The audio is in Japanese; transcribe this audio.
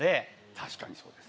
確かにそうです。